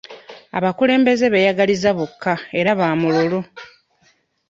Abakulembeze beeyagaliza bokka era ba mululu.